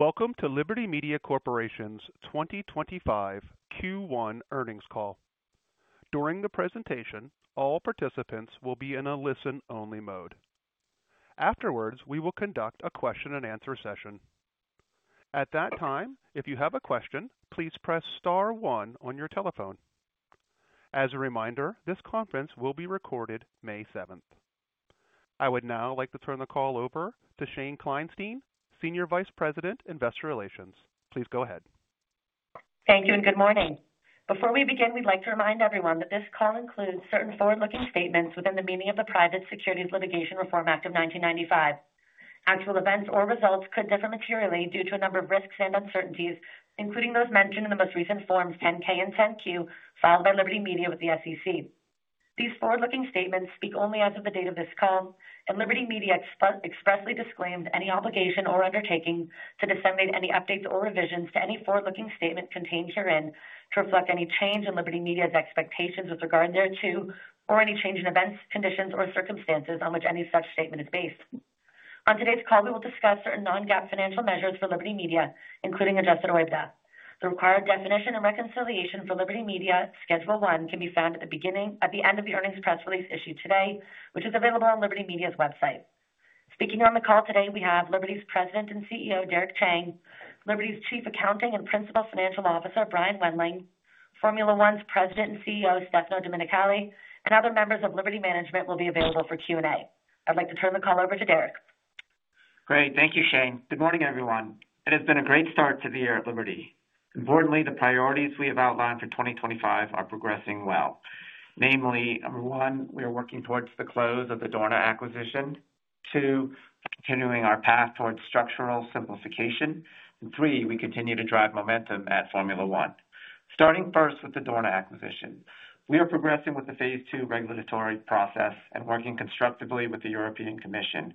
Welcome to Liberty Media Corporation's 2025 Q1 earnings call. During the presentation, all participants will be in a listen-only mode. Afterwards, we will conduct a question-and-answer session. At that time, if you have a question, please press star one on your telephone. As a reminder, this conference will be recorded May 7th. I would now like to turn the call over to Shane Kleinstein, Senior Vice President, Investor Relations. Please go ahead. Thank you, and good morning. Before we begin, we'd like to remind everyone that this call includes certain forward-looking statements within the meaning of the Private Securities Litigation Reform Act of 1995. Actual events or results could differ materially due to a number of risks and uncertainties, including those mentioned in the most recent Forms 10-K and 10-Q filed by Liberty Media with the SEC. These forward-looking statements speak only as of the date of this call, and Liberty Media expressly disclaims any obligation or undertaking to disseminate any updates or revisions to any forward-looking statement contained herein to reflect any change in Liberty Media's expectations with regard thereto, or any change in events, conditions, or circumstances on which any such statement is based. On today's call, we will discuss certain non-GAAP financial measures for Liberty Media, including adjusted OIBDA. The required definition and reconciliation for Liberty Media Schedule One can be found at the end of the earnings press release issued today, which is available on Liberty Media's website. Speaking on the call today, we have Liberty's President and CEO, Derek Chang, Liberty's Chief Accounting and Principal Financial Officer, Brian Wendling, Formula One's President and CEO, Stefano Domenicali, and other members of Liberty Management will be available for Q&A. I'd like to turn the call over to Derek. Great. Thank you, Shane. Good morning, everyone. It has been a great start to the year at Liberty. Importantly, the priorities we have outlined for 2025 are progressing well. Namely, number one, we are working towards the close of the Dorna acquisition; two, continuing our path towards structural simplification; and three, we continue to drive momentum at Formula One. Starting first with the Dorna acquisition, we are progressing with the phase two regulatory process and working constructively with the European Commission.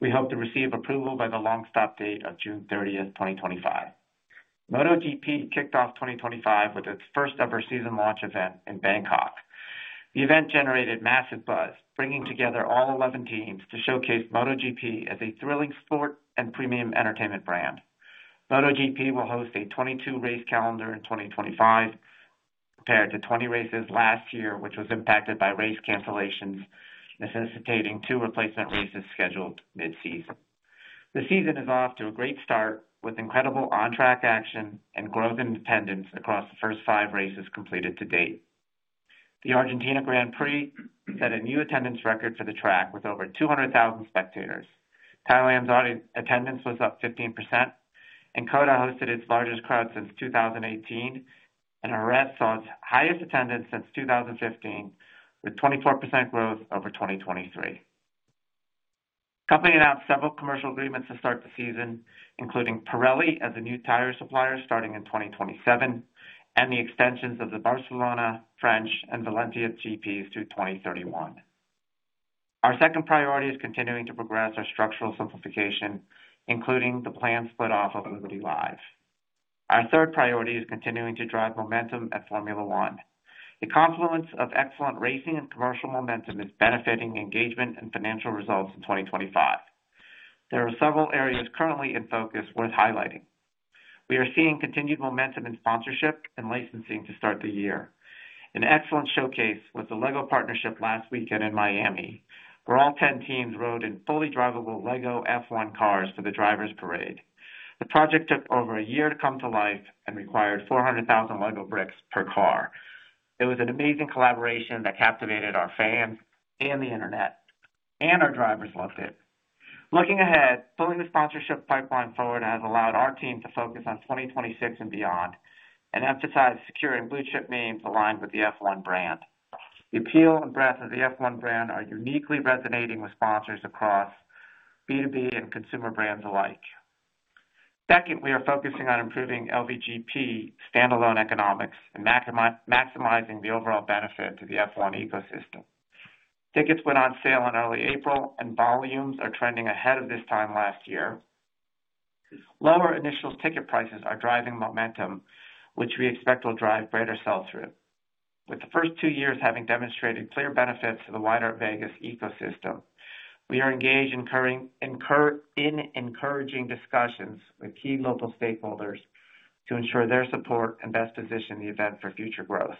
We hope to receive approval by the long stop date of June 30, 2025. MotoGP kicked off 2025 with its first-ever season launch event in Bangkok. The event generated massive buzz, bringing together all 11 teams to showcase MotoGP as a thrilling sport and premium entertainment brand. MotoGP will host a 22-race calendar in 2025, compared to 20 races last year, which was impacted by race cancellations, necessitating two replacement races scheduled mid-season. The season is off to a great start with incredible on-track action and growth in attendance across the first five races completed to date. The Argentina Grand Prix set a new attendance record for the track with over 200,000 spectators. Thailand's attendance was up 15%, and Qatar hosted its largest crowd since 2018, and Jerez saw its highest attendance since 2015, with 24% growth over 2023. The company announced several commercial agreements to start the season, including Pirelli as a new tire supplier starting in 2027, and the extensions of the Barcelona, French, and Valencia GPs through 2031. Our second priority is continuing to progress our structural simplification, including the planned split off of Liberty Live. Our third priority is continuing to drive momentum at Formula One. The confluence of excellent racing and commercial momentum is benefiting engagement and financial results in 2025. There are several areas currently in focus worth highlighting. We are seeing continued momentum in sponsorship and licensing to start the year. An excellent showcase was the LEGO partnership last weekend in Miami, where all 10 teams rode in fully drivable LEGO F1 cars for the Drivers Parade. The project took over a year to come to life and required 400,000 LEGO bricks per car. It was an amazing collaboration that captivated our fans and the internet, and our drivers loved it. Looking ahead, pulling the sponsorship pipeline forward has allowed our team to focus on 2026 and beyond and emphasize securing blue-chip names aligned with the F1 brand. The appeal and breadth of the F1 brand are uniquely resonating with sponsors across B2B and consumer brands alike. Second, we are focusing on improving LVGP standalone economics and maximizing the overall benefit to the F1 ecosystem. Tickets went on sale in early April, and volumes are trending ahead of this time last year. Lower initial ticket prices are driving momentum, which we expect will drive greater sell-through. With the first two years having demonstrated clear benefits to the wider Vegas ecosystem, we are engaged in encouraging discussions with key local stakeholders to ensure their support and best position the event for future growth.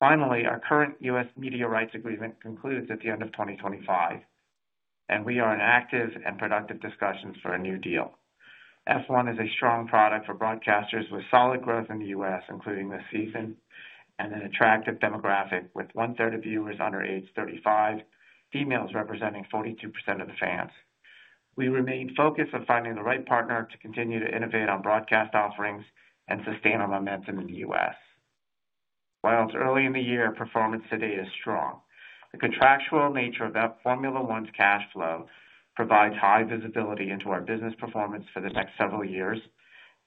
Finally, our current U.S. media rights agreement concludes at the end of 2025, and we are in active and productive discussions for a new deal. F1 is a strong product for broadcasters with solid growth in the U.S., including this season, and an attractive demographic with one-third of viewers under age 35, females representing 42% of the fans. We remain focused on finding the right partner to continue to innovate on broadcast offerings and sustain our momentum in the U.S. While it's early in the year, performance today is strong. The contractual nature of Formula One's cash flow provides high visibility into our business performance for the next several years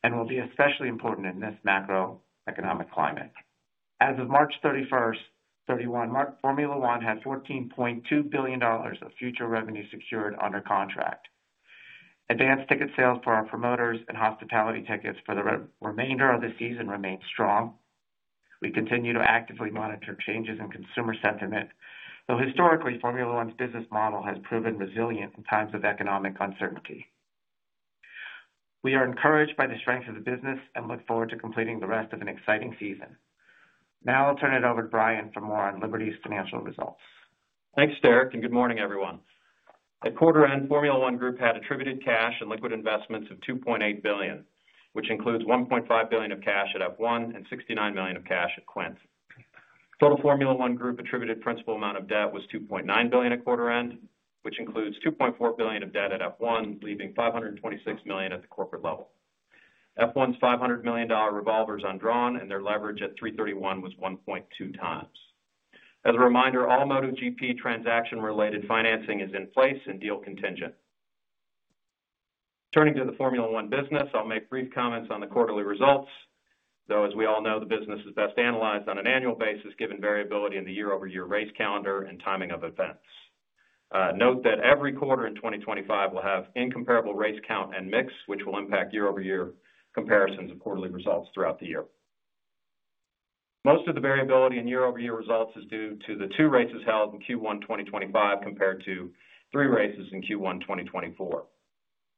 and will be especially important in this macroeconomic climate. As of March 31, Formula One had $14.2 billion of future revenue secured under contract. Advanced ticket sales for our promoters and hospitality tickets for the remainder of the season remain strong. We continue to actively monitor changes in consumer sentiment, though historically, Formula One's business model has proven resilient in times of economic uncertainty. We are encouraged by the strength of the business and look forward to completing the rest of an exciting season. Now I'll turn it over to Brian for more on Liberty's financial results. Thanks, Derek, and good morning, everyone. At quarter-end, Formula One Group had attributed cash and liquid investments of $2.8 billion, which includes $1.5 billion of cash at F1 and $69 million of cash at Quint. Total Formula One Group attributed principal amount of debt was $2.9 billion at quarter-end, which includes $2.4 billion of debt at F1, leaving $526 million at the corporate level. F1's $500 million revolver is undrawn, and their leverage at 3/31 was 1.2 times. As a reminder, all MotoGP transaction-related financing is in place and deal contingent. Turning to the Formula One business, I'll make brief comments on the quarterly results, though, as we all know, the business is best analyzed on an annual basis, given variability in the year-over-year race calendar and timing of events. Note that every quarter in 2025 will have incomparable race count and mix, which will impact year-over-year comparisons of quarterly results throughout the year. Most of the variability in year-over-year results is due to the two races held in Q1 2025 compared to three races in Q1 2024.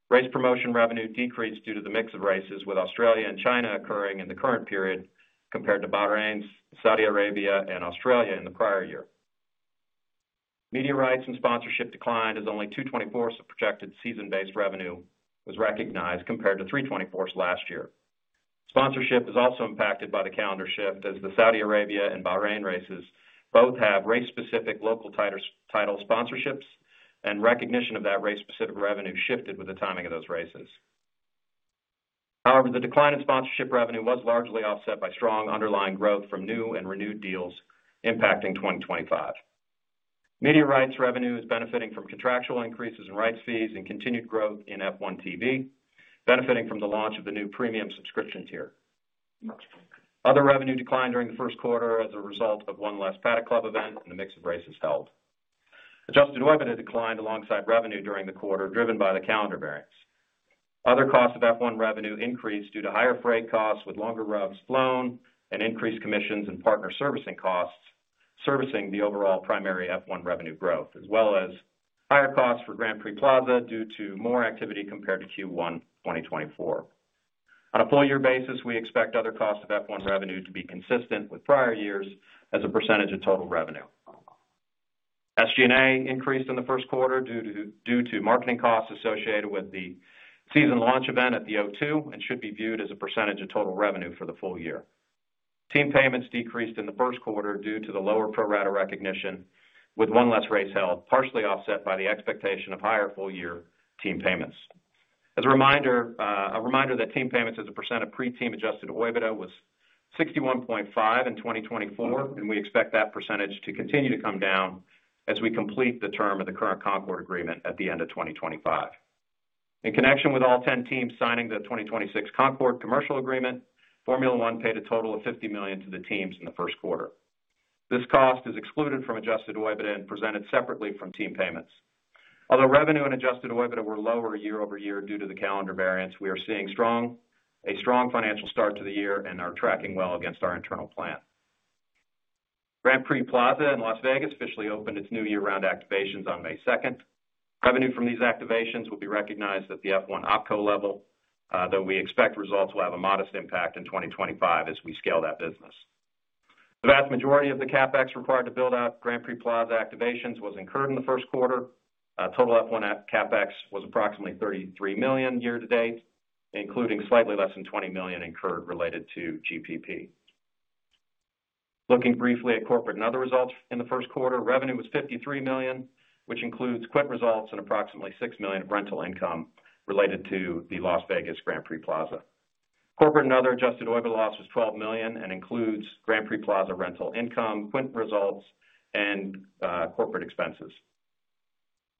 Race promotion revenue decreased due to the mix of races, with Australia and China occurring in the current period compared to Bahrain, Saudi Arabia, and Australia in the prior year. Media rights and sponsorship decline as only two 24ths of projected season-based revenue was recognized compared to three 24ths last year. Sponsorship is also impacted by the calendar shift as the Saudi Arabia and Bahrain races both have race-specific local title sponsorships, and recognition of that race-specific revenue shifted with the timing of those races. However, the decline in sponsorship revenue was largely offset by strong underlying growth from new and renewed deals impacting 2025. Media rights revenue is benefiting from contractual increases in rights fees and continued growth in F1TV, benefiting from the launch of the new premium subscription tier. Other revenue declined during the first quarter as a result of one less Paddock Club event and the mix of races held. Adjusted OIBDA declined alongside revenue during the quarter, driven by the calendar variance. Other costs of F1 revenue increased due to higher freight costs with longer routes flown and increased commissions and partner servicing costs servicing the overall primary F1 revenue growth, as well as higher costs for Grand Prix Plaza due to more activity compared to Q1 2024. On a full-year basis, we expect other costs of F1 revenue to be consistent with prior years as a percentage of total revenue. SG&A increased in the first quarter due to marketing costs associated with the season launch event at the O2 and should be viewed as a percentage of total revenue for the full year. Team payments decreased in the first quarter due to the lower pro rata recognition, with one less race held, partially offset by the expectation of higher full-year team payments. As a reminder, a reminder that team payments as a % of pre-team adjusted OIBDA was 61.5% in 2024, and we expect that percentage to continue to come down as we complete the term of the current Concord Agreement at the end of 2025. In connection with all 10 teams signing the 2026 Concord commercial agreement, Formula One paid a total of $50 million to the teams in the first quarter. This cost is excluded from adjusted OIBDA and presented separately from team payments. Although revenue and adjusted OIBDA were lower year-over-year due to the calendar variance, we are seeing a strong financial start to the year and are tracking well against our internal plan. Grand Prix Plaza in Las Vegas officially opened its new year-round activations on May 2nd. Revenue from these activations will be recognized at the F1 OPCO level, though we expect results will have a modest impact in 2025 as we scale that business. The vast majority of the CapEx required to build out Grand Prix Plaza activations was incurred in the first quarter. Total F1 CapEx was approximately $33 million year-to-date, including slightly less than $20 million incurred related to GPP. Looking briefly at corporate and other results in the first quarter, revenue was $53 million, which includes Quint results and approximately $6 million of rental income related to the Las Vegas Grand Prix Plaza. Corporate and other adjusted OIBDA loss was $12 million and includes Grand Prix Plaza rental income, Quint results, and corporate expenses.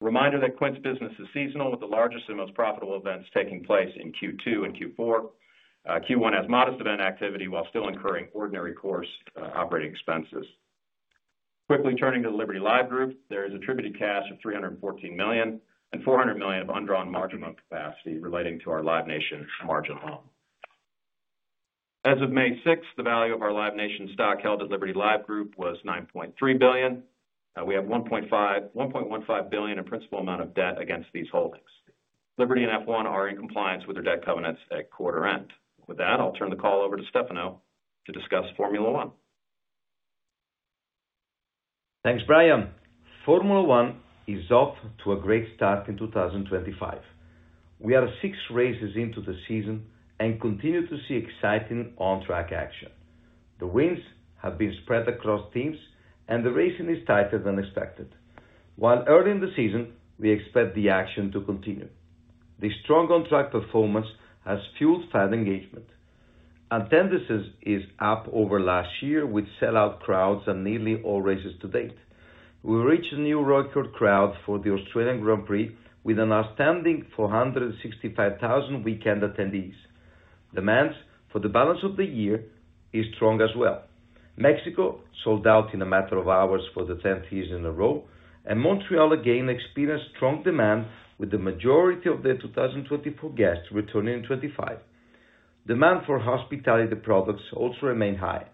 Reminder that Quint's business is seasonal, with the largest and most profitable events taking place in Q2 and Q4. Q1 has modest event activity while still incurring ordinary course operating expenses. Quickly turning to the Liberty Live Group, there is attributed cash of $314 million and $400 million of undrawn margin loan capacity relating to our Live Nation margin loan. As of May 6th, the value of our Live Nation stock held at Liberty Live Group was $9.3 billion. We have $1.15 billion in principal amount of debt against these holdings. Liberty and F1 are in compliance with their debt covenants at quarter-end. With that, I'll turn the call over to Stefano to discuss Formula One. Thanks, Brian. Formula One is off to a great start in 2025. We are six races into the season and continue to see exciting on-track action. The wins have been spread across teams, and the racing is tighter than expected. While early in the season, we expect the action to continue. The strong on-track performance has fueled fan engagement. Attendance is up over last year, with sellout crowds on nearly all races to date. We reached a new record crowd for the Australian Grand Prix with an outstanding 465,000 weekend attendees. Demand for the balance of the year is strong as well. Mexico sold out in a matter of hours for the 10th year in a row, and Montreal again experienced strong demand, with the majority of their 2024 guests returning in 2025. Demand for hospitality products also remained high.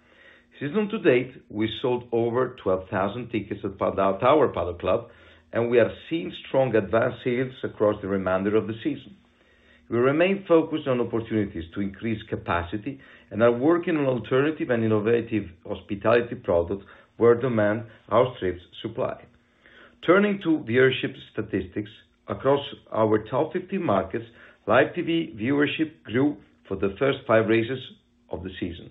Season to date, we sold over 12,000 tickets at Paddock Tower Paddock Club, and we have seen strong advance sales across the remainder of the season. We remain focused on opportunities to increase capacity and are working on alternative and innovative hospitality products where demand outstrips supply. Turning to viewership statistics, across our top 15 markets, live TV viewership grew for the first five races of the season.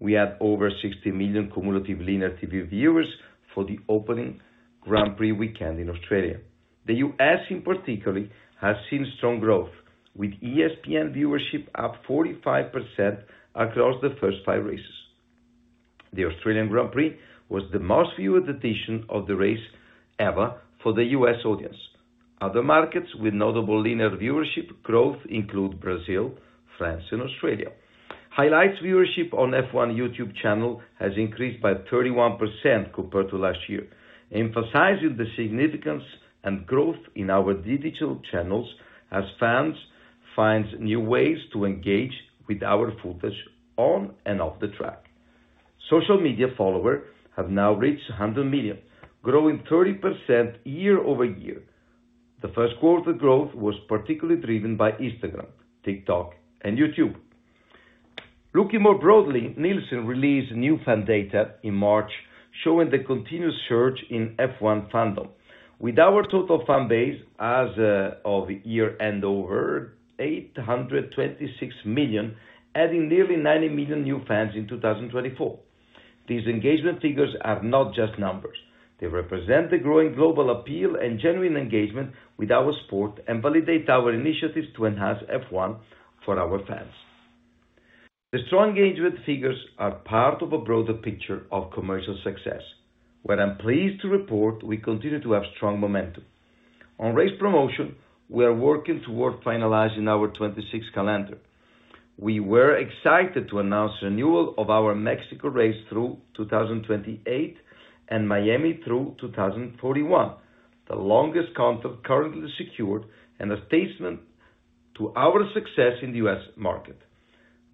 We had over 60 million cumulative linear TV viewers for the opening Grand Prix weekend in Australia. The U.S., in particular, has seen strong growth, with ESPN viewership up 45% across the first five races. The Australian Grand Prix was the most viewed edition of the race ever for the U.S. audience. Other markets with notable linear viewership growth include Brazil, France, and Australia. Highlights viewership on F1 YouTube channel has increased by 31% compared to last year, emphasizing the significance and growth in our digital channels as fans find new ways to engage with our footage on and off the track. Social media followers have now reached 100 million, growing 30% year-over-year. The first quarter growth was particularly driven by Instagram, TikTok, and YouTube. Looking more broadly, Nielsen released new fan data in March showing the continuous surge in F1 fandom, with our total fan base as of year-end over 826 million, adding nearly 90 million new fans in 2024. These engagement figures are not just numbers. They represent the growing global appeal and genuine engagement with our sport and validate our initiatives to enhance F1 for our fans. The strong engagement figures are part of a broader picture of commercial success, where I'm pleased to report we continue to have strong momentum. On race promotion, we are working toward finalizing our 2026 calendar. We were excited to announce renewal of our Mexico race through 2028 and Miami through 2041, the longest content currently secured, and a statement to our success in the U.S. market.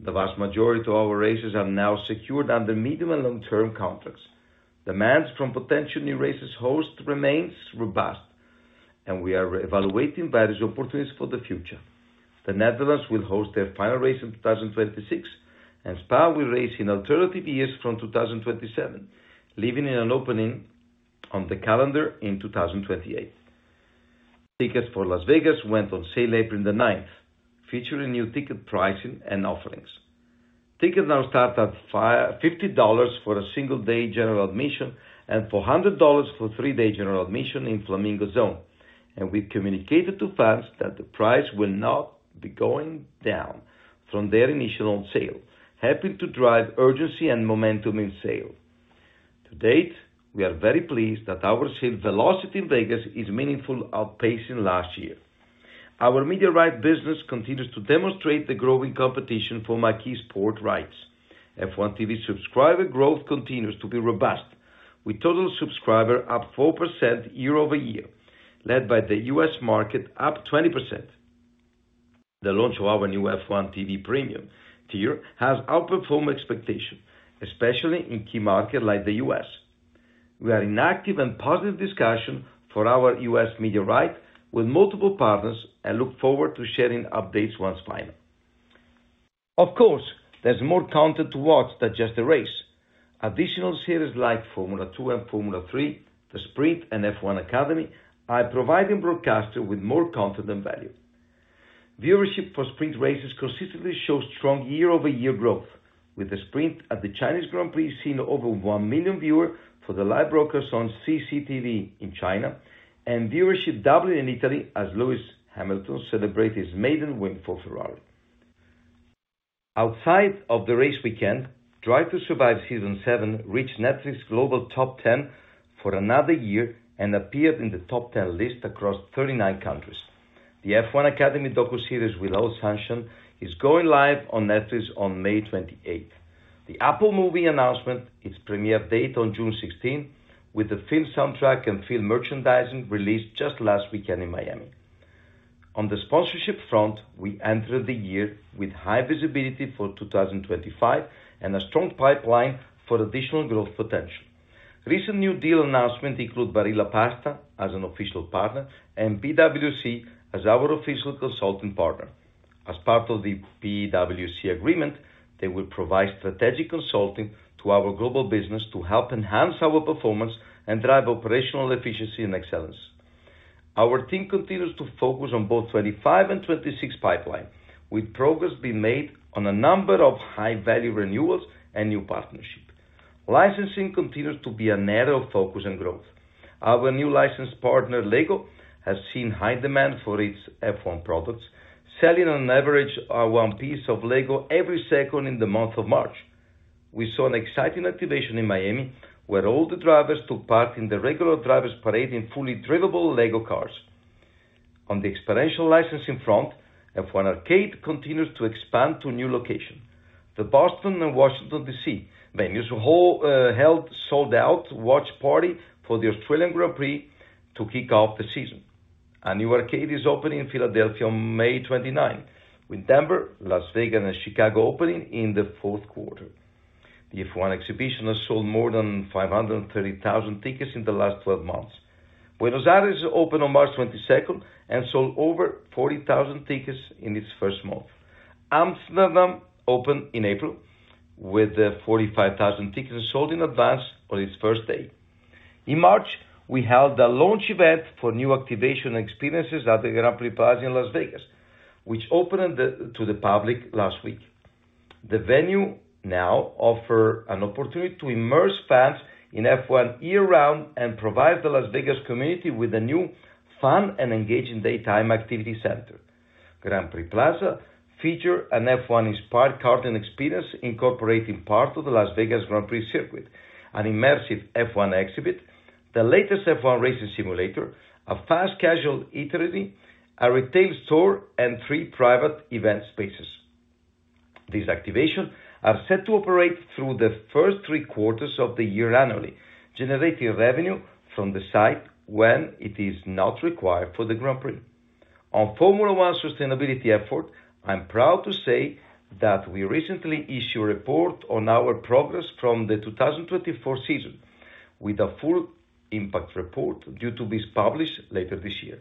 The vast majority of our races are now secured under medium and long-term contracts. Demand from potential new races host remains robust, and we are evaluating various opportunities for the future. The Netherlands will host their final race in 2026, and Spa will race in alternative years from 2027, leaving an opening on the calendar in 2028. Tickets for Las Vegas went on sale April 9th, featuring new ticket pricing and offerings. Tickets now start at $50 for a single-day general admission and $400 for a three-day general admission in Flamingo Zone, and we communicated to fans that the price will not be going down from their initial sale, helping to drive urgency and momentum in sale. To date, we are very pleased that our sale velocity in Vegas is meaningful, outpacing last year. Our media rights business continues to demonstrate the growing competition for marquee sport rights. F1TV subscriber growth continues to be robust, with total subscriber up 4% year-over-year, led by the U.S. market up 20%. The launch of our new F1TV Premium tier has outperformed expectations, especially in key markets like the U.S. We are in active and positive discussion for our U.S. media rights with multiple partners and look forward to sharing updates once final. Of course, there's more content to watch than just the race. Additional series like Formula 2 and Formula 3, The Sprint, and F1 Academy are providing broadcasters with more content and value. Viewership for sprint races consistently shows strong year-over-year growth, with The Sprint at the Chinese Grand Prix seeing over 1 million viewers for the live broadcast on CCTV in China and viewership doubling in Italy as Lewis Hamilton celebrated his maiden win for Ferrari. Outside of the race weekend, Drive to Survive Season 7 reached Netflix Global Top 10 for another year and appeared in the Top 10 list across 39 countries. The F1 Academy docu-series Without Sanction is going live on Netflix on May 28th. The Apple Movie announcement, its premiere date on June 16th, with the film soundtrack and film merchandising released just last weekend in Miami. On the sponsorship front, we entered the year with high visibility for 2025 and a strong pipeline for additional growth potential. Recent new deal announcements include Barilla Pasta as an official partner and BWC as our official consulting partner. As part of the BWC agreement, they will provide strategic consulting to our global business to help enhance our performance and drive operational efficiency and excellence. Our team continues to focus on both 25 and 26 pipelines, with progress being made on a number of high-value renewals and new partnerships. Licensing continues to be an area of focus and growth. Our new license partner, LEGO, has seen high demand for its F1 products, selling on average one piece of LEGO every second in the month of March. We saw an exciting activation in Miami, where all the drivers took part in the regular drivers' parade in fully drivable LEGO cars. On the experiential licensing front, F1 Arcade continues to expand to new locations. The Boston and Washington D.C. venues held sold-out watch party for the Australian Grand Prix to kick off the season. A new arcade is opening in Philadelphia on May 29, with Denver, Las Vegas, and Chicago opening in the fourth quarter. The F1 Exhibition has sold more than 530,000 tickets in the last 12 months. Buenos Aires opened on March 22 and sold over 40,000 tickets in its first month. Amsterdam opened in April with 45,000 tickets sold in advance on its first day. In March, we held a launch event for new activation experiences at the Grand Prix Plaza in Las Vegas, which opened to the public last week. The venue now offers an opportunity to immerse fans in F1 year-round and provides the Las Vegas community with a new fun and engaging daytime activity center. Grand Prix Plaza features an F1-inspired karting experience incorporating part of the Las Vegas Grand Prix circuit, an immersive F1 exhibit, the latest F1 racing simulator, a fast casual eatery, a retail store, and three private event spaces. These activations are set to operate through the first three quarters of the year annually, generating revenue from the site when it is not required for the Grand Prix. On Formula One's sustainability effort, I'm proud to say that we recently issued a report on our progress from the 2024 season, with a full impact report due to be published later this year.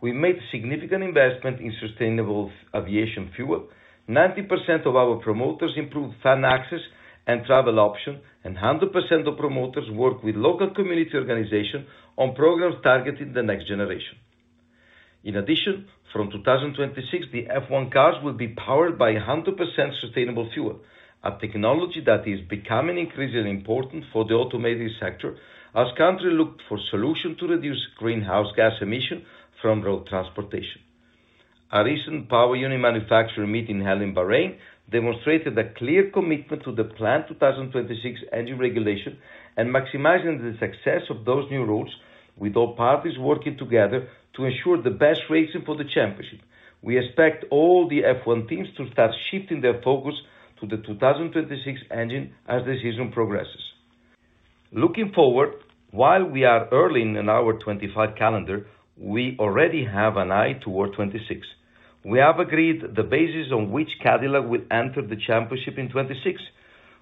We made significant investments in sustainable aviation fuel. 90% of our promoters improved fan access and travel options, and 100% of promoters worked with local community organizations on programs targeting the next generation. In addition, from 2026, the F1 cars will be powered by 100% sustainable fuel, a technology that is becoming increasingly important for the automotive sector as countries look for solutions to reduce greenhouse gas emissions from road transportation. A recent power unit manufacturer meeting held in Bahrain demonstrated a clear commitment to the Plan 2026 engine regulation and maximizing the success of those new rules, with all parties working together to ensure the best racing for the championship. We expect all the F1 teams to start shifting their focus to the 2026 engine as the season progresses. Looking forward, while we are early in our 2025 calendar, we already have an eye toward 2026. We have agreed the basis on which Cadillac will enter the championship in 2026.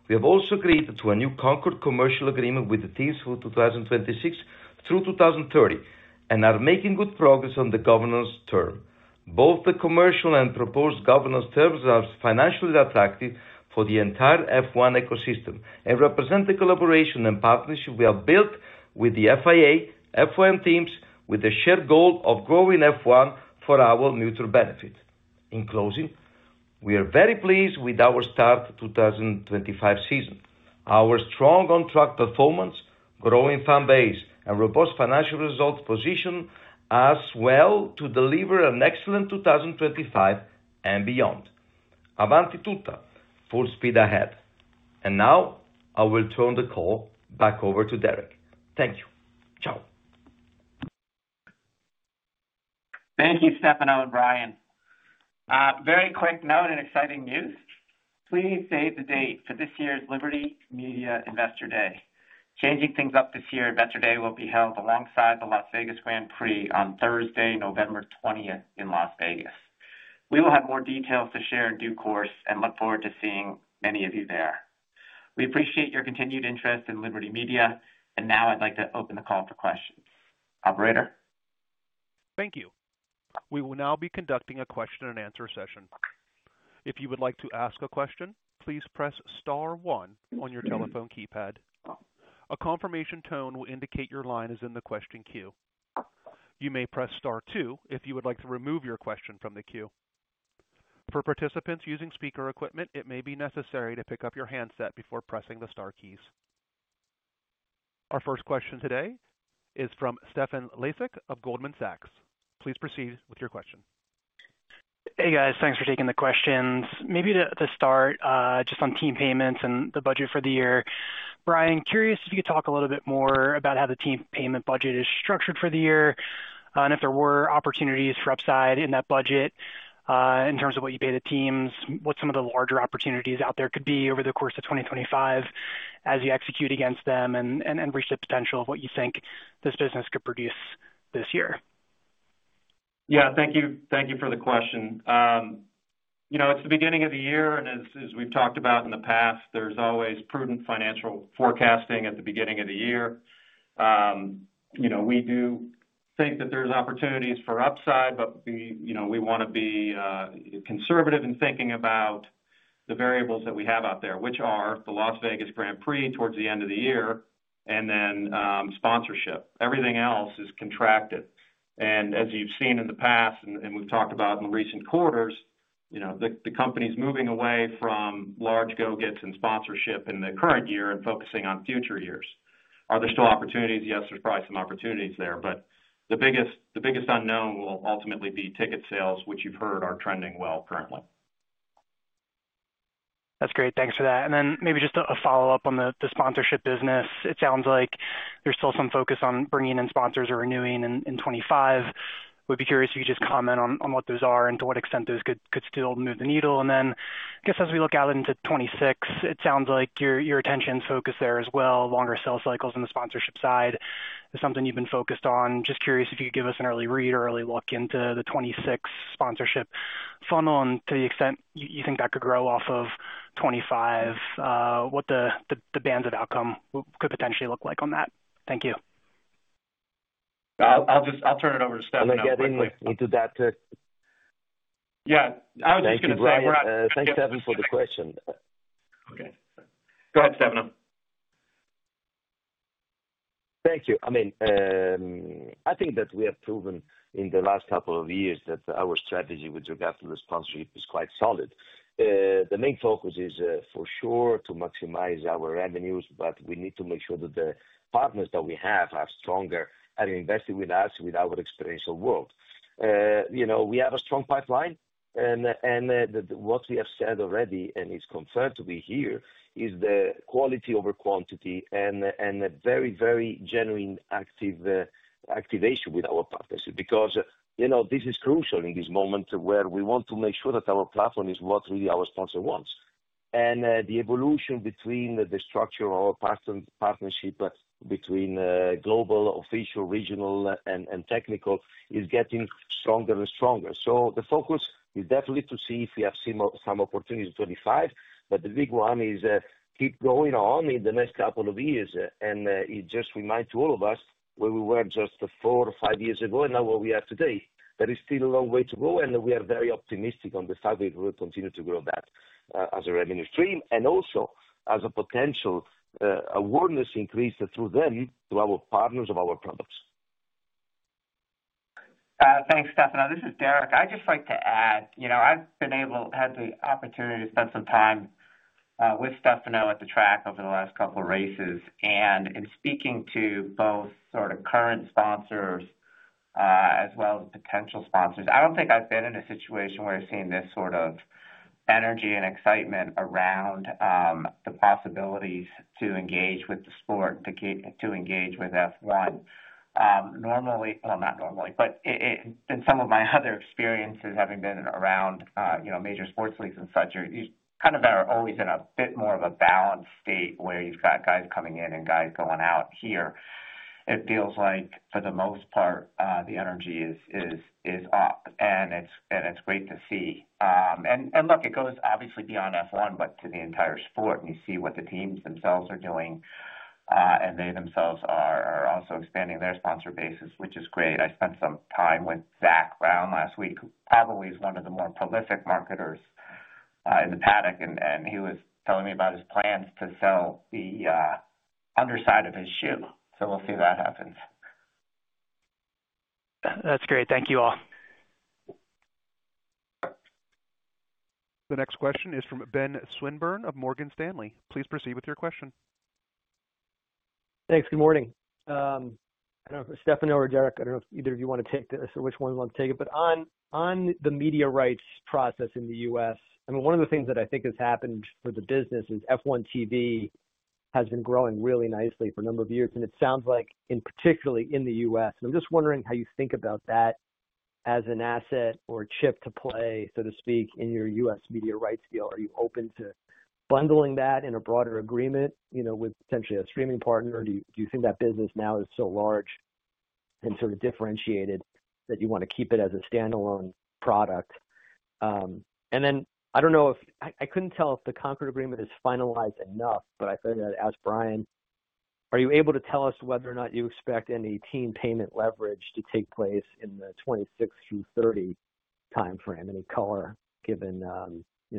We have also agreed to a new Concord commercial agreement with the teams for 2026 through 2030 and are making good progress on the governance term. Both the commercial and proposed governance terms are financially attractive for the entire F1 ecosystem and represent the collaboration and partnership we have built with the FIA, F1 teams, with the shared goal of growing F1 for our mutual benefit. In closing, we are very pleased with our start to the 2025 season. Our strong on-track performance, growing fan base, and robust financial results position us well to deliver an excellent 2025 and beyond. Avanti tutta, full speed ahead. Now I will turn the call back over to Derek. Thank you. Ciao. Thank you, Stefano and Brian. Very quick note and exciting news. Please save the date for this year's Liberty Media Investor Day. Changing things up this year, Investor Day will be held alongside the Las Vegas Grand Prix on Thursday, November 20, in Las Vegas. We will have more details to share in due course and look forward to seeing many of you there. We appreciate your continued interest in Liberty Media, and now I'd like to open the call for questions. Operator. Thank you. We will now be conducting a question-and-answer session. If you would like to ask a question, please press Star 1 on your telephone keypad. A confirmation tone will indicate your line is in the question queue. You may press Star 2 if you would like to remove your question from the queue. For participants using speaker equipment, it may be necessary to pick up your handset before pressing the Star keys. Our first question today is from Stefan Lazic of Goldman Sachs. Please proceed with your question. Hey, guys. Thanks for taking the questions. Maybe to start, just on team payments and the budget for the year, Brian, curious if you could talk a little bit more about how the team payment budget is structured for the year and if there were opportunities for upside in that budget in terms of what you pay the teams, what some of the larger opportunities out there could be over the course of 2025 as you execute against them and reach the potential of what you think this business could produce this year. Yeah, thank you. Thank you for the question. You know, it's the beginning of the year, and as we've talked about in the past, there's always prudent financial forecasting at the beginning of the year. You know, we do think that there's opportunities for upside, but we want to be conservative in thinking about the variables that we have out there, which are the Las Vegas Grand Prix towards the end of the year and then sponsorship. Everything else is contracted. As you've seen in the past, and we've talked about in recent quarters, you know, the company's moving away from large go-gets in sponsorship in the current year and focusing on future years. Are there still opportunities? Yes, there's probably some opportunities there, but the biggest unknown will ultimately be ticket sales, which you've heard are trending well currently. That's great. Thanks for that. Maybe just a follow-up on the sponsorship business. It sounds like there's still some focus on bringing in sponsors or renewing in 2025. Would be curious if you could just comment on what those are and to what extent those could still move the needle. I guess as we look out into 2026, it sounds like your attention's focused there as well. Longer sales cycles on the sponsorship side is something you've been focused on. Just curious if you could give us an early read or early look into the 2026 sponsorship funnel and to the extent you think that could grow off of 2025, what the bands of outcome could potentially look like on that. Thank you. I'll turn it over to Stefano. I'll get into that. Yeah, I was just going to say, thanks, Stefano, for the question. Okay. Go ahead, Stefano. Thank you. I mean, I think that we have proven in the last couple of years that our strategy with regard to the sponsorship is quite solid. The main focus is for sure to maximize our revenues, but we need to make sure that the partners that we have are stronger and invested with us, with our experiential world. You know, we have a strong pipeline, and what we have said already and is confirmed to be here is the quality over quantity and a very, very genuine activation with our partnership because, you know, this is crucial in this moment where we want to make sure that our platform is what really our sponsor wants. The evolution between the structure of our partnership between global, official, regional, and technical is getting stronger and stronger. The focus is definitely to see if we have some opportunity in 2025, but the big one is to keep going on in the next couple of years. It just reminds all of us where we were just four or five years ago and now what we have today. There is still a long way to go, and we are very optimistic on the fact that we will continue to grow that as a revenue stream and also as a potential awareness increase through them, through our partners, of our products. Thanks, Stefano. This is Derek. I'd just like to add, you know, I've been able, had the opportunity to spend some time with Stefano at the track over the last couple of races. In speaking to both sort of current sponsors as well as potential sponsors, I do not think I've been in a situation where I've seen this sort of energy and excitement around the possibilities to engage with the sport, to engage with F1. Normally, not normally, but in some of my other experiences having been around, you know, major sports leagues and such, you kind of are always in a bit more of a balanced state where you've got guys coming in and guys going out. Here, it feels like, for the most part, the energy is up, and it's great to see. Look, it goes obviously beyond F1, but to the entire sport, and you see what the teams themselves are doing, and they themselves are also expanding their sponsor bases, which is great. I spent some time with Zach Brown last week, who probably is one of the more prolific marketers in the paddock, and he was telling me about his plans to sell the underside of his shoe. We'll see if that happens. That's great. Thank you all. The next question is from Ben Swinburn of Morgan Stanley. Please proceed with your question. Thanks. Good morning. I don't know if it's Stefano or Derek. I don't know if either of you want to take this or which one you want to take it, but on the media rights process in the U.S., I mean, one of the things that I think has happened for the business is F1TV has been growing really nicely for a number of years, and it sounds like, particularly in the U.S. And I'm just wondering how you think about that as an asset or a chip to play, so to speak, in your U.S. media rights deal. Are you open to bundling that in a broader agreement, you know, with potentially a streaming partner? Do you think that business now is so large and sort of differentiated that you want to keep it as a standalone product? And then I do not know if I could not tell if the Concord Agreement is finalized enough, but I thought I would ask Brian, are you able to tell us whether or not you expect any team payment leverage to take place in the 2026 through 2030 timeframe? Any color, given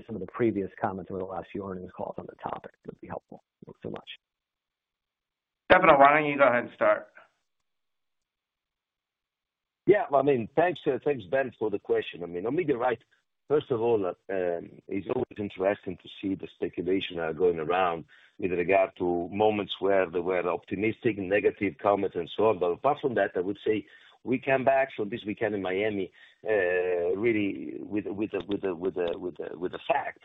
some of the previous comments over the last few earnings calls on the topic would be helpful. Thanks so much. Stefano, why do you not go ahead and start? Yeah, I mean, thanks, thanks, Ben, for the question. I mean, on media rights, first of all, it is always interesting to see the speculation going around with regard to moments where there were optimistic negative comments and so on. Apart from that, I would say we came back from this weekend in Miami really with the fact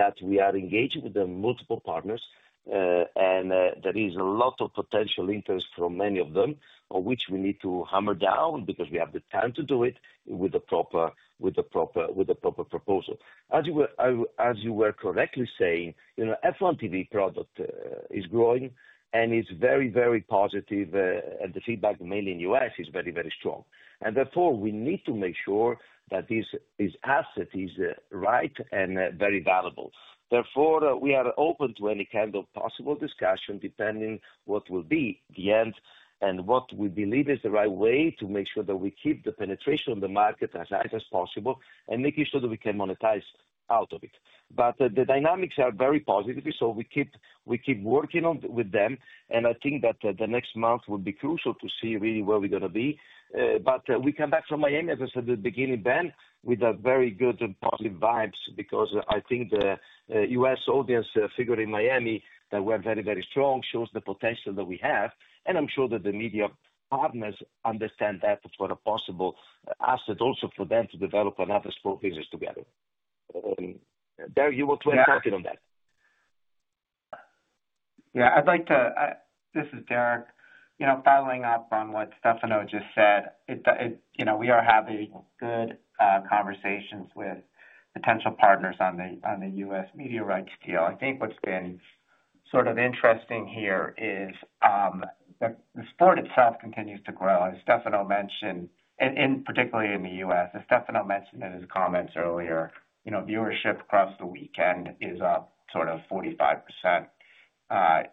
that we are engaging with multiple partners, and there is a lot of potential interest from many of them, which we need to hammer down because we have the time to do it with a proper proposal. As you were correctly saying, you know, F1TV product is growing, and it's very, very positive, and the feedback, mainly in the U.S., is very, very strong. Therefore, we need to make sure that this asset is right and very valuable. Therefore, we are open to any kind of possible discussion depending on what will be the end and what we believe is the right way to make sure that we keep the penetration of the market as high as possible and making sure that we can monetize out of it. The dynamics are very positive, so we keep working with them, and I think that the next month will be crucial to see really where we're going to be. We came back from Miami, as I said at the beginning, Ben, with very good and positive vibes because I think the U.S. audience figure in Miami that were very, very strong shows the potential that we have. I'm sure that the media partners understand that for a possible asset also for them to develop another sport business together. Derek, you want to add something on that? Yeah, I'd like to, this is Derek, you know, following up on what Stefano just said, you know, we are having good conversations with potential partners on the U.S. media rights deal. I think what's been sort of interesting here is the sport itself continues to grow. As Stefano mentioned, and particularly in the U.S., as Stefano mentioned in his comments earlier, you know, viewership across the weekend is up sort of 45%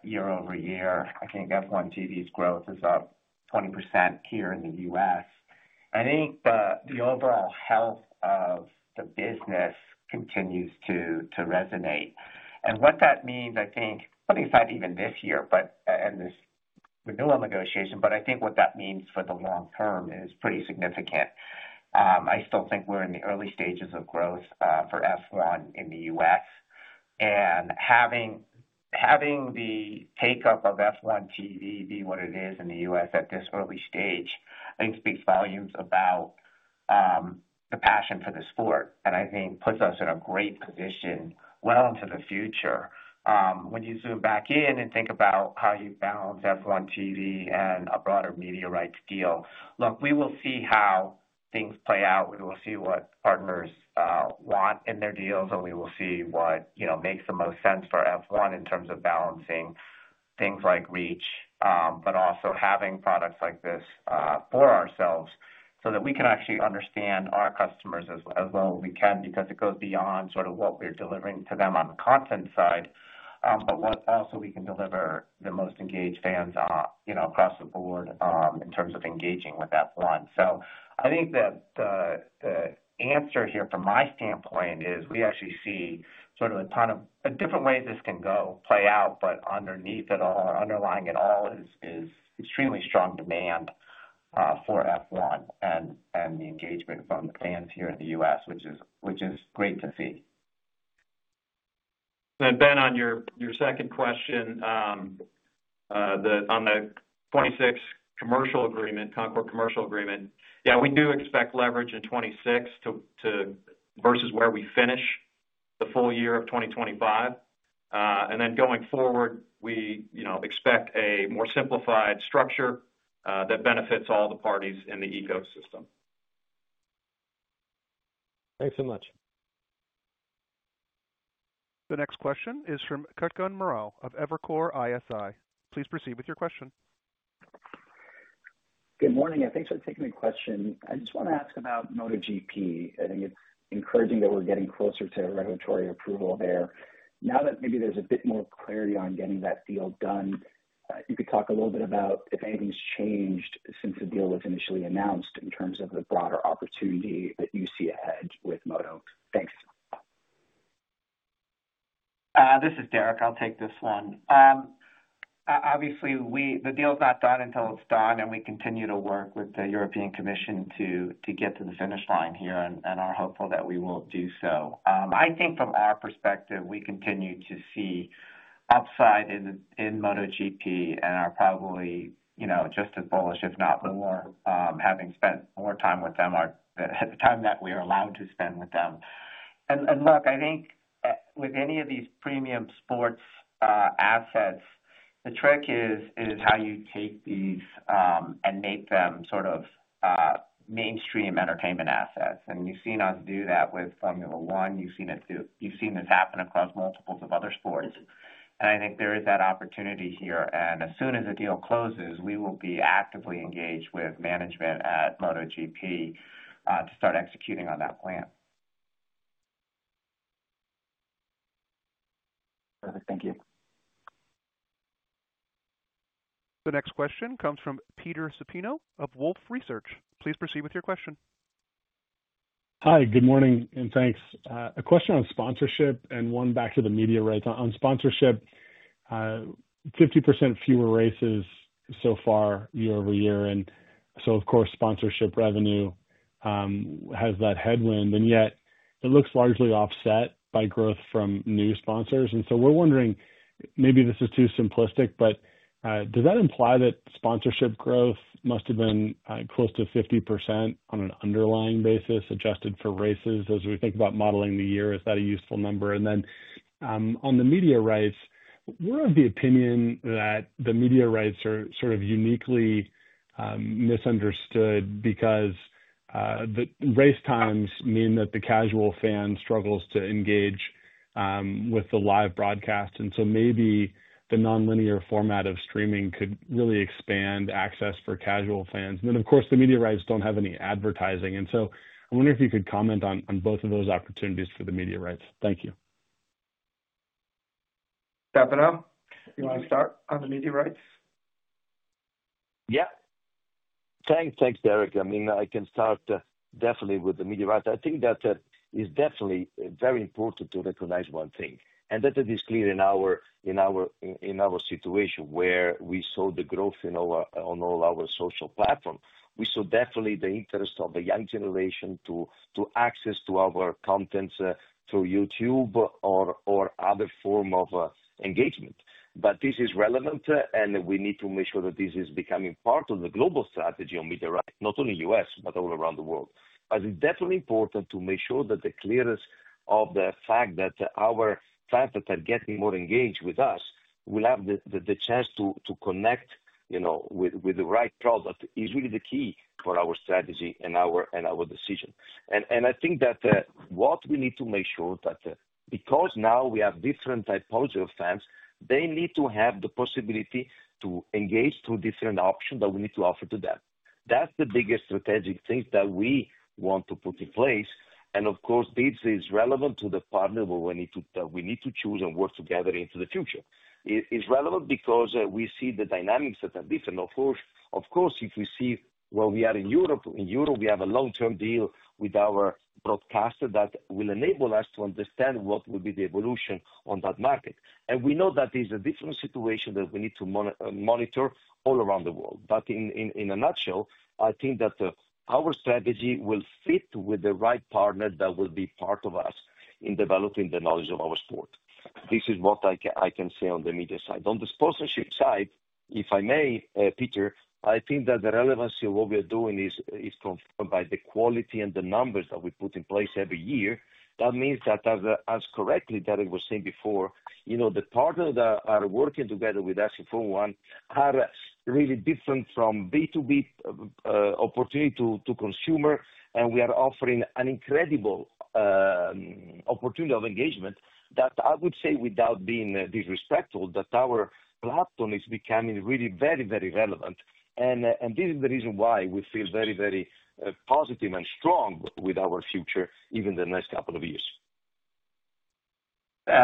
year over year. I think F1TV's growth is up 20% here in the U.S. I think the overall health of the business continues to resonate. And what that means, I think, putting aside even this year and this renewal negotiation, but I think what that means for the long term is pretty significant. I still think we're in the early stages of growth for F1 in the U.S., and having the take-up of F1TV be what it is in the U.S. at this early stage, I think speaks volumes about the passion for the sport and I think puts us in a great position well into the future. When you zoom back in and think about how you balance F1TV and a broader media rights deal, look, we will see how things play out. We will see what partners want in their deals, and we will see what, you know, makes the most sense for F1 in terms of balancing things like reach, but also having products like this for ourselves so that we can actually understand our customers as well as we can because it goes beyond sort of what we're delivering to them on the content side, but what also we can deliver the most engaged fans, you know, across the board in terms of engaging with F1. I think that the answer here from my standpoint is we actually see sort of a ton of different ways this can go play out, but underneath it all, underlying it all, is extremely strong demand for F1 and the engagement from the fans here in the U.S., which is great to see. Ben, on your second question on the 2026 commercial agreement, Concord commercial agreement, yeah, we do expect leverage in 2026 versus where we finish the full year of 2025. Going forward, we, you know, expect a more simplified structure that benefits all the parties in the ecosystem. Thanks so much. The next question is from Cutgun Morrell of Evercore ISI. Please proceed with your question. Good morning. I think so. Thank you for the question. I just want to ask about MotoGP. I think it's encouraging that we're getting closer to regulatory approval there. Now that maybe there's a bit more clarity on getting that deal done, you could talk a little bit about if anything's changed since the deal was initially announced in terms of the broader opportunity that you see ahead with Moto? Thanks. This is Derek. I'll take this one. Obviously, the deal's not done until it's done, and we continue to work with the European Commission to get to the finish line here and are hopeful that we will do so. I think from our perspective, we continue to see upside in MotoGP and are probably, you know, just as bullish, if not more, having spent more time with them at the time that we are allowed to spend with them. Look, I think with any of these premium sports assets, the trick is how you take these and make them sort of mainstream entertainment assets. You've seen us do that with Formula One. You've seen this happen across multiples of other sports. I think there is that opportunity here. As soon as the deal closes, we will be actively engaged with management at MotoGP to start executing on that plan. Perfect. Thank you. The next question comes from Peter Supino of Wolf Research. Please proceed with your question. Hi, good morning and thanks. A question on sponsorship and one back to the media rights. On sponsorship, 50% fewer races so far year over year. Of course, sponsorship revenue has that headwind, and yet it looks largely offset by growth from new sponsors. We're wondering, maybe this is too simplistic, but does that imply that sponsorship growth must have been close to 50% on an underlying basis adjusted for races as we think about modeling the year? Is that a useful number? On the media rights, we're of the opinion that the media rights are sort of uniquely misunderstood because the race times mean that the casual fan struggles to engage with the live broadcast. Maybe the non-linear format of streaming could really expand access for casual fans. Of course, the media rights do not have any advertising. I wonder if you could comment on both of those opportunities for the media rights. Thank you. Stefano, do you want to start on the media rights? Yeah. Thanks, Derek. I mean, I can start definitely with the media rights. I think that is definitely very important to recognize one thing. That is clear in our situation where we saw the growth in all our social platforms. We saw definitely the interest of the young generation to access our contents through YouTube or other forms of engagement. This is relevant, and we need to make sure that this is becoming part of the global strategy on media rights, not only in the U.S., but all around the world. It is definitely important to make sure that the clearance of the fact that our fans that are getting more engaged with us will have the chance to connect, you know, with the right product is really the key for our strategy and our decision. I think that what we need to make sure is that because now we have different typologies of fans, they need to have the possibility to engage through different options that we need to offer to them. That is the biggest strategic thing that we want to put in place. Of course, this is relevant to the partner where we need to choose and work together into the future. It is relevant because we see the dynamics that are different. Of course, if we see where we are in Europe, in Europe, we have a long-term deal with our broadcaster that will enable us to understand what will be the evolution on that market. We know that there is a different situation that we need to monitor all around the world. In a nutshell, I think that our strategy will fit with the right partner that will be part of us in developing the knowledge of our sport. This is what I can say on the media side. On the sponsorship side, if I may, Peter, I think that the relevancy of what we are doing is confirmed by the quality and the numbers that we put in place every year. That means that, as correctly that it was said before, you know, the partners that are working together with us in Formula One are really different from B2B opportunity to consumer. We are offering an incredible opportunity of engagement that I would say, without being disrespectful, that our platform is becoming really very, very relevant. This is the reason why we feel very, very positive and strong with our future, even the next couple of years.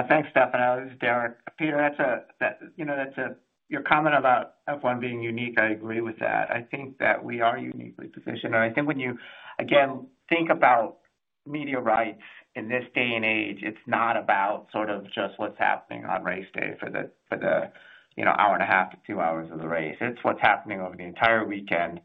Thanks, Stefano. This is Derek. Peter, that's a, you know, that's a, your comment about F1 being unique, I agree with that. I think that we are uniquely positioned. I think when you, again, think about media rights in this day and age, it's not about sort of just what's happening on race day for the, you know, hour and a half to two hours of the race. It's what's happening over the entire weekend.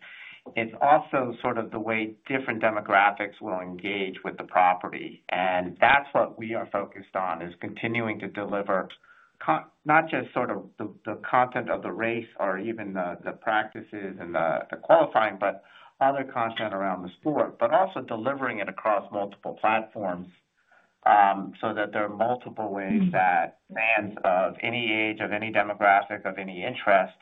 It's also sort of the way different demographics will engage with the property. That is what we are focused on, is continuing to deliver not just sort of the content of the race or even the practices and the qualifying, but other content around the sport, but also delivering it across multiple platforms so that there are multiple ways that fans of any age, of any demographic, of any interest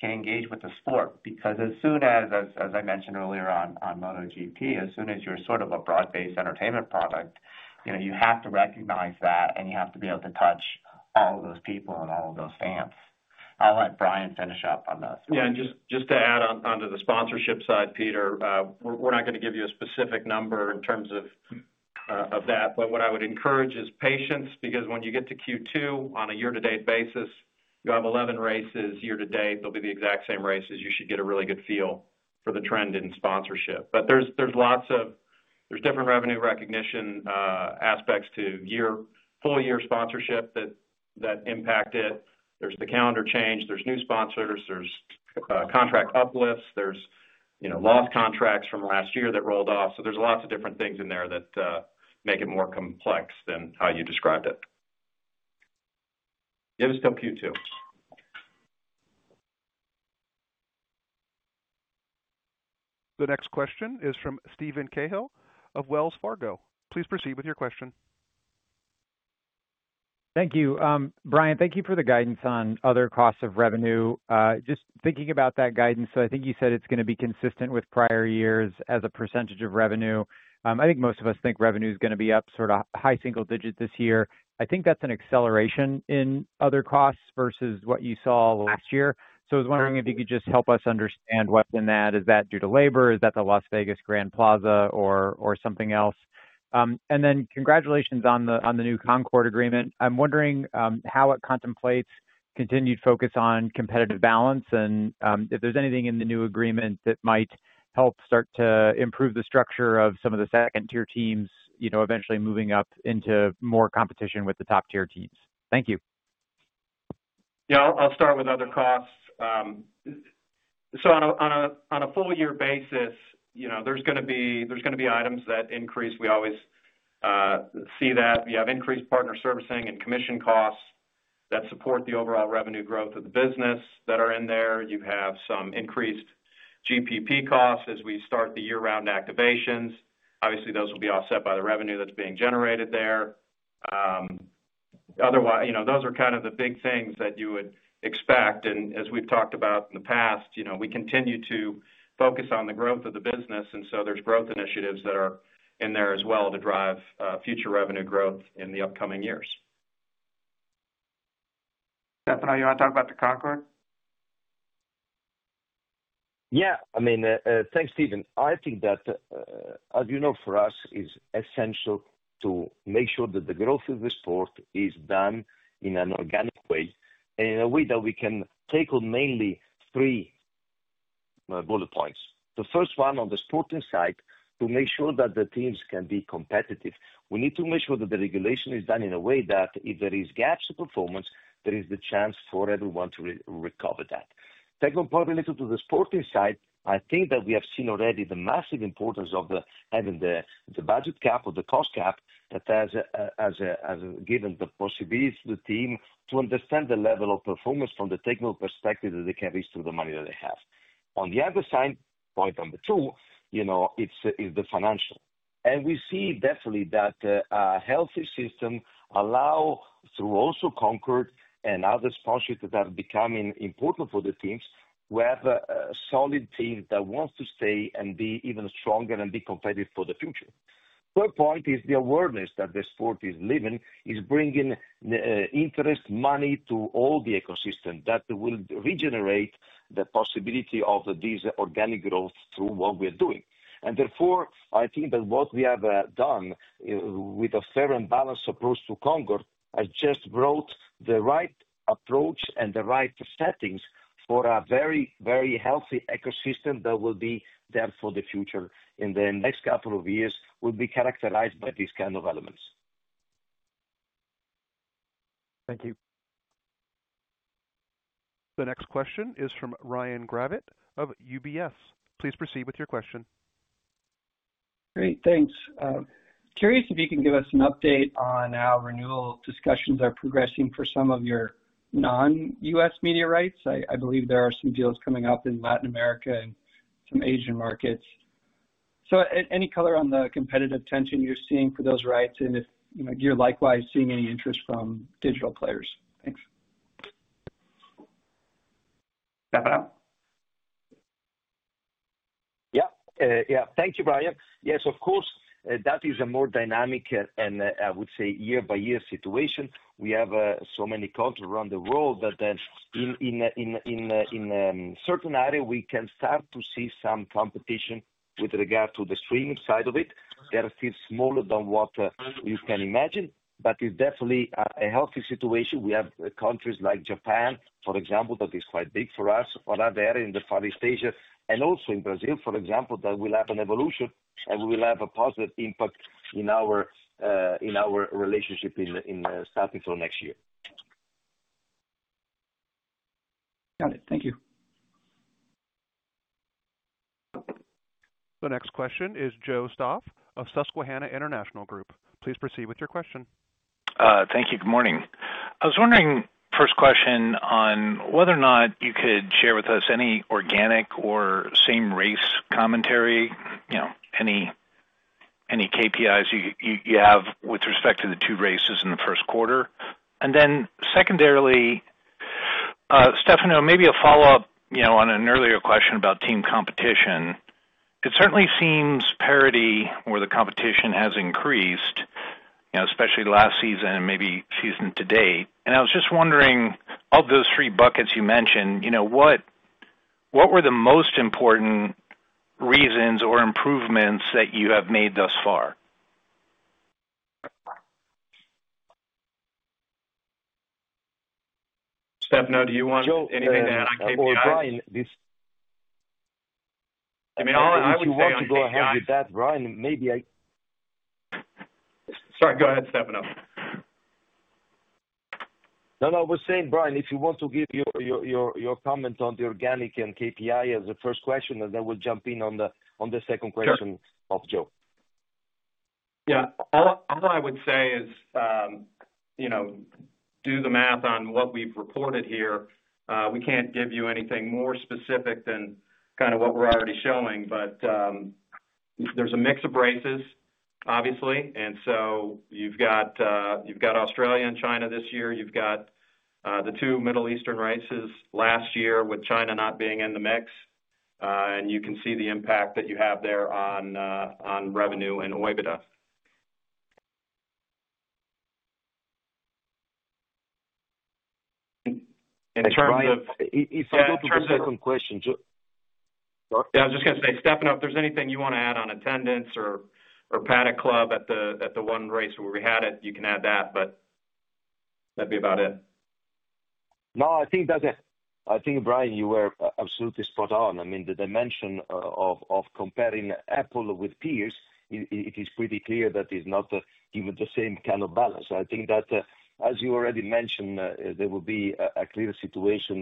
can engage with the sport. Because as soon as, as I mentioned earlier on MotoGP, as soon as you are sort of a broad-based entertainment product, you know, you have to recognize that, and you have to be able to touch all of those people and all of those fans. I will let Brian finish up on this. Yeah, and just to add on to the sponsorship side, Peter, we're not going to give you a specific number in terms of that, but what I would encourage is patience because when you get to Q2 on a year-to-date basis, you have 11 races year-to-date. They'll be the exact same races. You should get a really good feel for the trend in sponsorship. There are lots of, there are different revenue recognition aspects to full-year sponsorship that impact it. There is the calendar change. There are new sponsors. There are contract uplifts. There are, you know, lost contracts from last year that rolled off. There are lots of different things in there that make it more complex than how you described it. Give us till Q2. The next question is from Steven Cahill of Wells Fargo. Please proceed with your question. Thank you. Brian, thank you for the guidance on other costs of revenue. Just thinking about that guidance, I think you said it's going to be consistent with prior years as a percentage of revenue. I think most of us think revenue is going to be up sort of high single digit this year. I think that's an acceleration in other costs versus what you saw last year. I was wondering if you could just help us understand what's in that. Is that due to labor? Is that the Las Vegas Grand Prix Plaza or something else? And then congratulations on the new Concord Agreement. I'm wondering how it contemplates continued focus on competitive balance and if there's anything in the new agreement that might help start to improve the structure of some of the second-tier teams, you know, eventually moving up into more competition with the top-tier teams. Thank you. Yeah, I'll start with other costs. On a full-year basis, you know, there's going to be items that increase. We always see that. You have increased partner servicing and commission costs that support the overall revenue growth of the business that are in there. You have some increased GPP costs as we start the year-round activations. Obviously, those will be offset by the revenue that's being generated there. Otherwise, you know, those are kind of the big things that you would expect. As we've talked about in the past, you know, we continue to focus on the growth of the business. There are growth initiatives that are in there as well to drive future revenue growth in the upcoming years. Stefano, you want to talk about the Concord? Yeah. I mean, thanks, Steven. I think that, as you know, for us, it's essential to make sure that the growth of the sport is done in an organic way and in a way that we can take on mainly three bullet points. The first one on the sporting side, to make sure that the teams can be competitive. We need to make sure that the regulation is done in a way that if there are gaps of performance, there is the chance for everyone to recover that. Second point related to the sporting side, I think that we have seen already the massive importance of having the budget cap or the cost cap that has given the possibility to the team to understand the level of performance from the technical perspective that they can reach through the money that they have. On the other side, point number two, you know, it's the financial. We see definitely that a healthy system allows through also Concord and other sponsorships that are becoming important for the teams to have a solid team that wants to stay and be even stronger and be competitive for the future. The third point is the awareness that the sport is living is bringing interest, money to all the ecosystem that will regenerate the possibility of this organic growth through what we are doing. Therefore, I think that what we have done with a fair and balanced approach to Concord has just brought the right approach and the right settings for a very, very healthy ecosystem that will be there for the future in the next couple of years will be characterized by these kinds of elements. Thank you. The next question is from Ryan Gravett of UBS. Please proceed with your question. Great. Thanks. Curious if you can give us an update on how renewal discussions are progressing for some of your non-U.S. media rights. I believe there are some deals coming up in Latin America and some Asian markets. Any color on the competitive tension you're seeing for those rights and if you're likewise seeing any interest from digital players? Thanks. Stefano? Yeah. Yeah. Thank you, Brian. Yes, of course. That is a more dynamic and I would say year-by-year situation. We have so many contracts around the world that in a certain area, we can start to see some competition with regard to the streaming side of it. They are still smaller than what you can imagine, but it's definitely a healthy situation. We have countries like Japan, for example, that is quite big for us, or other areas in the Far East Asia, and also in Brazil, for example, that will have an evolution and will have a positive impact in our relationship in the starting for next year. Got it. Thank you. The next question is Joe Stoff of Susquehanna International Group. Please proceed with your question. Thank you. Good morning. I was wondering, first question on whether or not you could share with us any organic or same-race commentary, you know, any KPIs you have with respect to the two races in the first quarter. And then secondarily, Stefano, maybe a follow-up, you know, on an earlier question about team competition. It certainly seems parity where the competition has increased, you know, especially last season and maybe season to date. I was just wondering, of those three buckets you mentioned, you know, what were the most important reasons or improvements that you have made thus far? Stefano, do you want anything to add on KPI? I mean, I would love to go ahead with that, Brian. Maybe I—sorry, go ahead, Stefano. No, no, I was saying, Brian, if you want to give your comment on the organic and KPI as the first question, and then we'll jump in on the second question of Joe. Yeah. All I would say is, you know, do the math on what we've reported here. We can't give you anything more specific than kind of what we're already showing. There is a mix of races, obviously. You have Australia and China this year. You have the two Middle Eastern races last year with China not being in the mix. You can see the impact that you have there on revenue and OIBDA. In terms of—if I go to the second question, Joe—yeah, I was just going to say, Stefano, if there is anything you want to add on attendance or Paddock Club at the one race where we had it, you can add that, but that would be about it. No, I think that is it. I think, Brian, you were absolutely spot on. I mean, the dimension of comparing Apple with peers, it is pretty clear that it is not even the same kind of balance. I think that, as you already mentioned, there will be a clear situation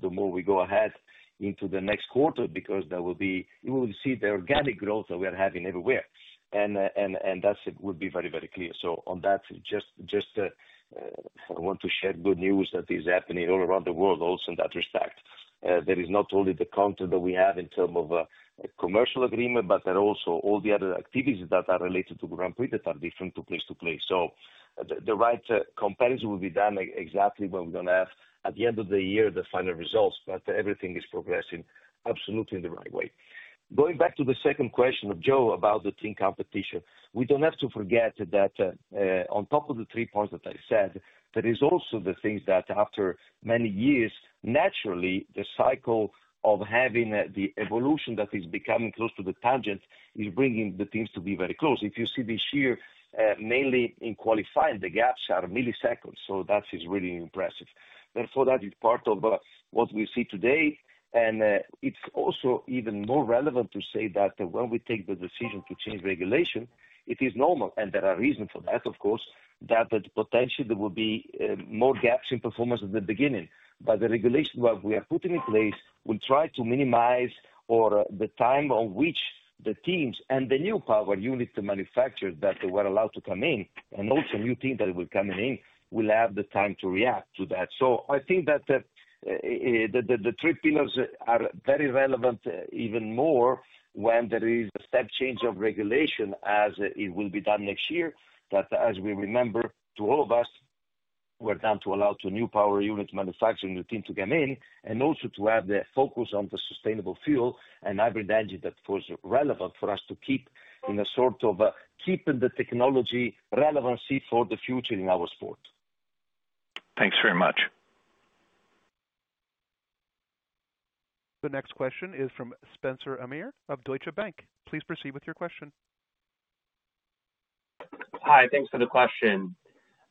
the more we go ahead into the next quarter because there will be—you will see the organic growth that we are having everywhere. That would be very, very clear. On that, just want to share good news that is happening all around the world also in that respect. There is not only the content that we have in terms of a commercial agreement, but there are also all the other activities that are related to Grand Prix that are different from place to place. The right comparison will be done exactly when we're going to have, at the end of the year, the final results. Everything is progressing absolutely in the right way. Going back to the second question of Joe about the team competition, we don't have to forget that on top of the three points that I said, there are also the things that after many years, naturally, the cycle of having the evolution that is becoming close to the tangent is bringing the teams to be very close. If you see this year, mainly in qualifying, the gaps are milliseconds. That is really impressive. Therefore, that is part of what we see today. It is also even more relevant to say that when we take the decision to change regulation, it is normal. There are reasons for that, of course, that potentially there will be more gaps in performance at the beginning. The regulation that we are putting in place will try to minimize the time on which the teams and the new power units to manufacture that they were allowed to come in, and also new teams that will be coming in, will have the time to react to that. I think that the three pillars are very relevant even more when there is a step change of regulation as it will be done next year. As we remember, to all of us, we're down to allow new power units manufacturing the team to come in and also to have the focus on the sustainable fuel and hybrid engine that was relevant for us to keep in a sort of keeping the technology relevancy for the future in our sport. Thanks very much. The next question is from Spencer Amer of Deutsche Bank. Please proceed with your question. Hi, thanks for the question.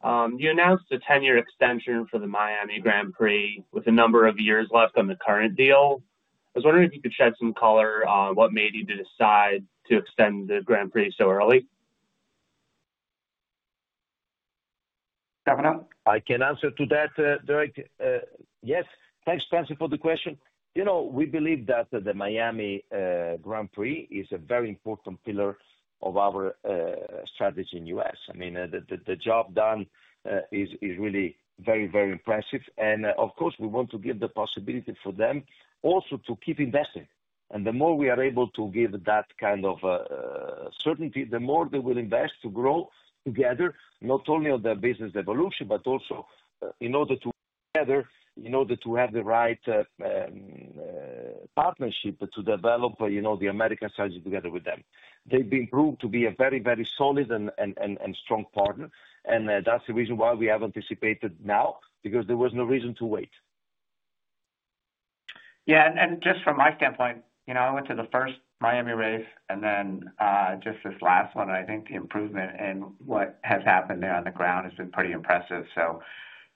You announced a 10-year extension for the Miami Grand Prix with a number of years left on the current deal. I was wondering if you could shed some color on what made you decide to extend the Grand Prix so early. Stefano? I can answer to that, Derek. Yes. Thanks, Spencer, for the question. You know, we believe that the Miami Grand Prix is a very important pillar of our strategy in the U.S. I mean, the job done is really very, very impressive. Of course, we want to give the possibility for them also to keep investing. The more we are able to give that kind of certainty, the more they will invest to grow together, not only on their business evolution, but also in order to, together, in order to have the right partnership to develop, you know, the American strategy together with them. They've been proved to be a very, very solid and strong partner. That's the reason why we have anticipated now, because there was no reason to wait. Yeah. Just from my standpoint, you know, I went to the first Miami race, and then just this last one, and I think the improvement in what has happened there on the ground has been pretty impressive.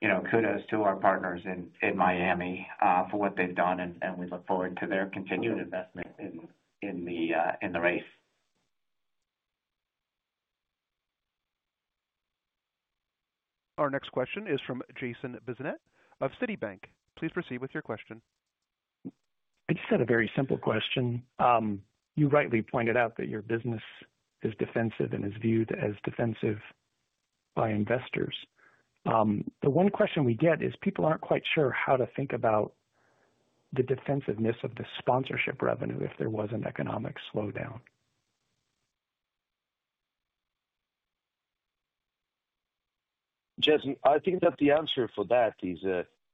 You know, kudos to our partners in Miami for what they've done, and we look forward to their continued investment in the race. Our next question is from Jason Bazinet of Citibank. Please proceed with your question. I just had a very simple question. You rightly pointed out that your business is defensive and is viewed as defensive by investors. The one question we get is people aren't quite sure how to think about the defensiveness of the sponsorship revenue if there was an economic slowdown. Jason, I think that the answer for that is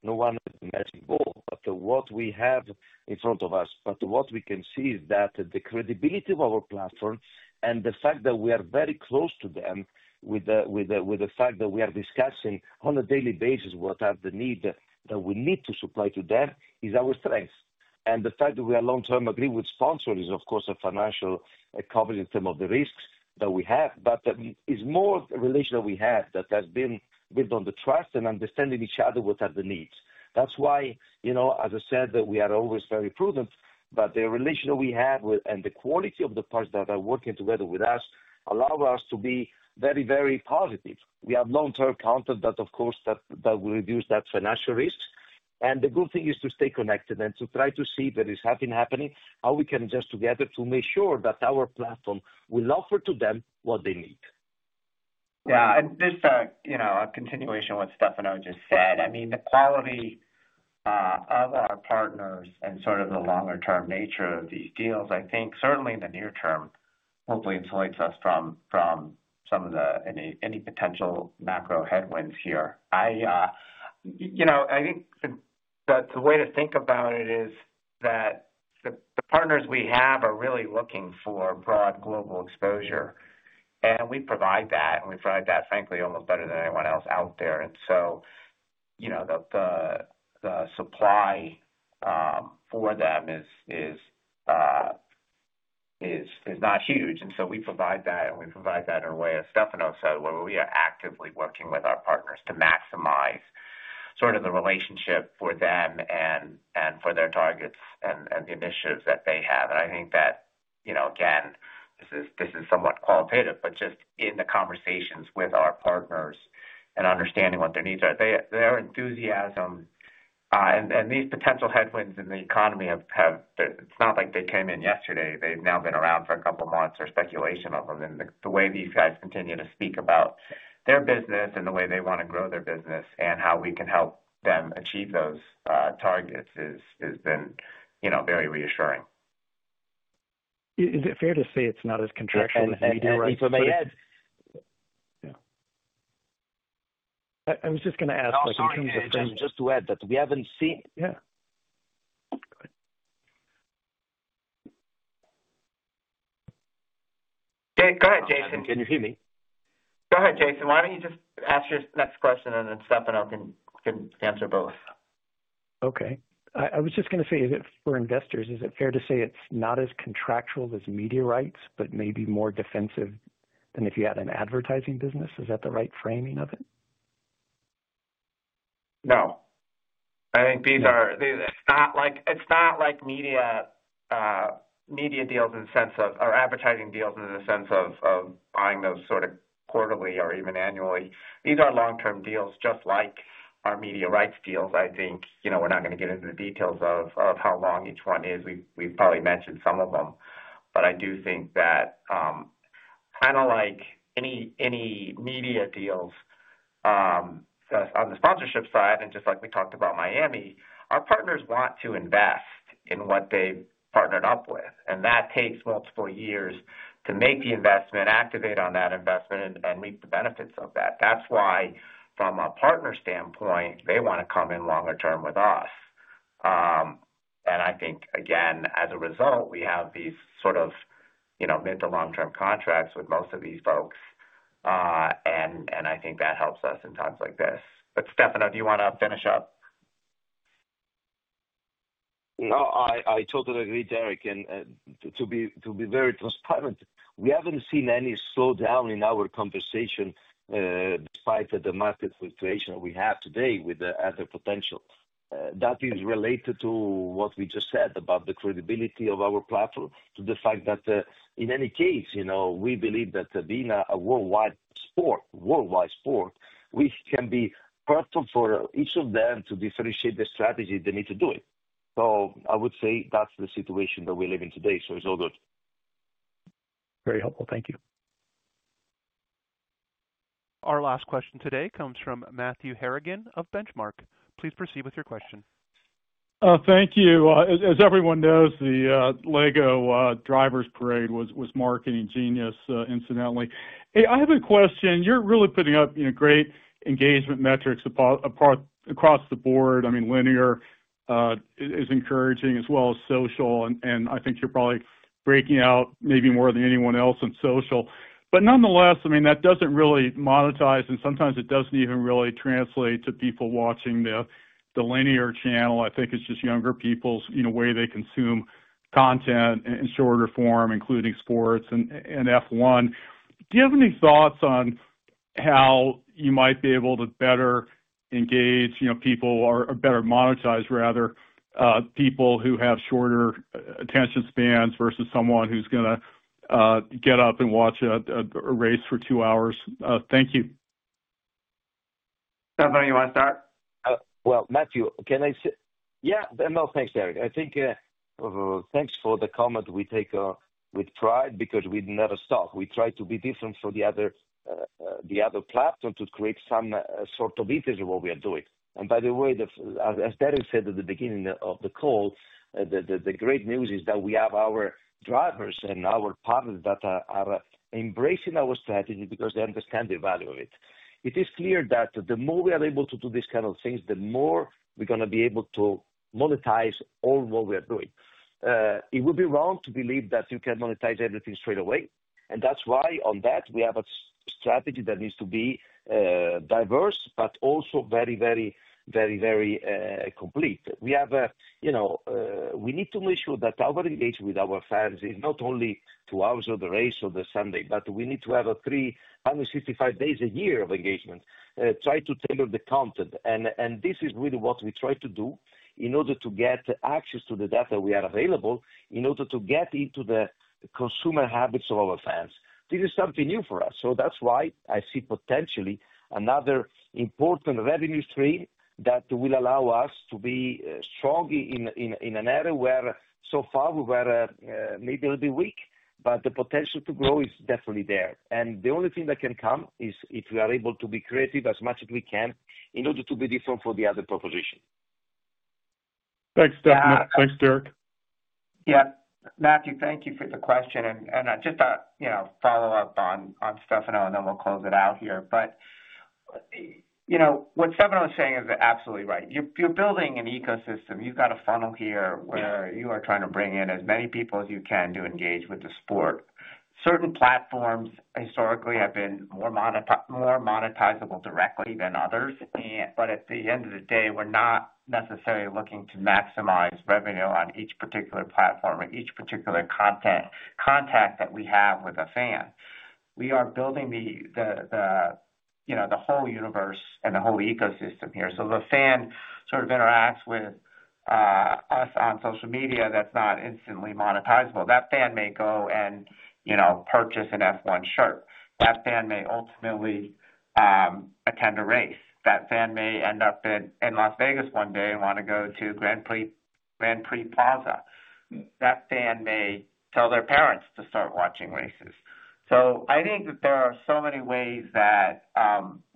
no one is matching ball, but what we have in front of us, what we can see is that the credibility of our platform and the fact that we are very close to them with the fact that we are discussing on a daily basis what are the needs that we need to supply to them is our strength. The fact that we are long-term agreed with sponsors is, of course, a financial coverage in terms of the risks that we have, but it's more the relation that we have that has been built on the trust and understanding each other what are the needs. That's why, you know, as I said, we are always very prudent, but the relation that we have and the quality of the partners that are working together with us allow us to be very, very positive. We have long-term content that, of course, that will reduce that financial risk. The good thing is to stay connected and to try to see that it's happening, happening, how we can adjust together to make sure that our platform will offer to them what they need. Yeah. And just a, you know, a continuation of what Stefano just said. I mean, the quality of our partners and sort of the longer-term nature of these deals, I think certainly in the near term, hopefully insulates us from some of the any potential macro headwinds here. I, you know, I think that the way to think about it is that the partners we have are really looking for broad global exposure. We provide that. We provide that, frankly, almost better than anyone else out there. You know, the supply for them is not huge. We provide that, and we provide that in a way, as Stefano said, where we are actively working with our partners to maximize sort of the relationship for them and for their targets and the initiatives that they have. I think that, you know, again, this is somewhat qualitative, but just in the conversations with our partners and understanding what their needs are, their enthusiasm and these potential headwinds in the economy have, it's not like they came in yesterday. They've now been around for a couple of months. There's speculation of them. The way these guys continue to speak about their business and the way they want to grow their business and how we can help them achieve those targets has been, you know, very reassuring. Is it fair to say it's not as contractual as media rights? Yeah. I was just going to ask in terms of things. Just to add that we haven't seen. Yeah. Go ahead. Go ahead, Jason. Can you hear me? Go ahead, Jason. Why don't you just ask your next question, and then Stefano can answer both. Okay. I was just going to say, for investors, is it fair to say it's not as contractual as media rights, but maybe more defensive than if you had an advertising business? Is that the right framing of it? No. I think these are, it's not like media deals in the sense of, or advertising deals in the sense of buying those sort of quarterly or even annually. These are long-term deals, just like our media rights deals. I think, you know, we're not going to get into the details of how long each one is. We've probably mentioned some of them. I do think that kind of like any media deals on the sponsorship side, and just like we talked about Miami, our partners want to invest in what they've partnered up with. That takes multiple years to make the investment, activate on that investment, and reap the benefits of that. That's why, from a partner standpoint, they want to come in longer term with us. I think, again, as a result, we have these sort of, you know, mid to long-term contracts with most of these folks. I think that helps us in times like this. Stefano, do you want to finish up? No, I totally agree, Derek. To be very transparent, we have not seen any slowdown in our conversation despite the market fluctuation that we have today with the other potential. That is related to what we just said about the credibility of our platform, to the fact that in any case, you know, we believe that being a worldwide sport, worldwide sport, we can be perfect for each of them to differentiate the strategy they need to do it. I would say that is the situation that we live in today. It is all good. Very helpful. Thank you. Our last question today comes from Matthew Harrigan of Benchmark. Please proceed with your question. Thank you. As everyone knows, the LEGO drivers parade was marketing genius, incidentally. Hey, I have a question. You're really putting up great engagement metrics across the board. I mean, linear is encouraging, as well as social. I think you're probably breaking out maybe more than anyone else on social. Nonetheless, that does not really monetize, and sometimes it does not even really translate to people watching the linear channel. I think it is just younger people's, you know, way they consume content in shorter form, including sports and F1. Do you have any thoughts on how you might be able to better engage, you know, people, or better monetize, rather, people who have shorter attention spans versus someone who is going to get up and watch a race for two hours? Thank you. Stefano, you want to start? Matthew, can I say, yeah, no, thanks, Derek. I think thanks for the comment we take with pride because we never stop. We try to be different from the other platform to create some sort of interest in what we are doing. By the way, as Derek said at the beginning of the call, the great news is that we have our drivers and our partners that are embracing our strategy because they understand the value of it. It is clear that the more we are able to do these kinds of things, the more we're going to be able to monetize all what we are doing. It would be wrong to believe that you can monetize everything straight away. That is why on that, we have a strategy that needs to be diverse, but also very, very, very, very complete. We have, you know, we need to make sure that our engagement with our fans is not only two hours of the race on the Sunday, but we need to have a 365 days a year of engagement, try to tailor the content. This is really what we try to do in order to get access to the data we have available in order to get into the consumer habits of our fans. This is something new for us. That is why I see potentially another important revenue stream that will allow us to be strong in an area where so far we were maybe a little bit weak, but the potential to grow is definitely there. The only thing that can come is if we are able to be creative as much as we can in order to be different from the other proposition. Thanks, Stefano. Thanks, Derek. Yeah. Matthew, thank you for the question. And just to, you know, follow up on Stefano, and then we'll close it out here. What Stefano was saying is absolutely right. You're building an ecosystem. You've got a funnel here where you are trying to bring in as many people as you can to engage with the sport. Certain platforms historically have been more monetizable directly than others. At the end of the day, we're not necessarily looking to maximize revenue on each particular platform or each particular contact that we have with a fan. We are building the, you know, the whole universe and the whole ecosystem here. The fan sort of interacts with us on social media that's not instantly monetizable. That fan may go and, you know, purchase an F1 shirt. That fan may ultimately attend a race. That fan may end up in Las Vegas one day and want to go to Grand Prix Plaza. That fan may tell their parents to start watching races. I think that there are so many ways that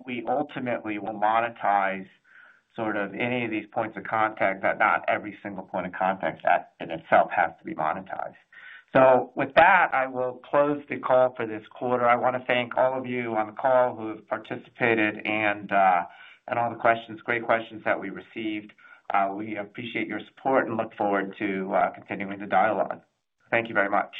we ultimately will monetize sort of any of these points of contact, that not every single point of contact in itself has to be monetized. With that, I will close the call for this quarter. I want to thank all of you on the call who have participated and all the questions, great questions that we received. We appreciate your support and look forward to continuing the dialogue. Thank you very much.